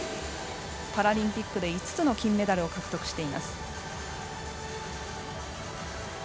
パラリンピックで５つの金メダルを獲得しています。